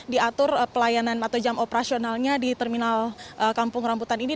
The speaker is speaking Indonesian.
diatur pelayanan atau jam operasionalnya di terminal kampung rambutan ini